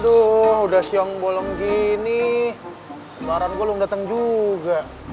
aduh udah siong bolong gini kemarin gue belum datang juga